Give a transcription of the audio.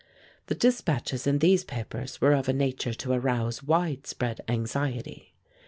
The dispatches in these papers were of a nature to arouse widespread anxiety.